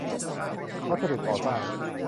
วัสดุก่อสร้าง